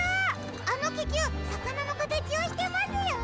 あのききゅうさかなのかたちをしてますよ！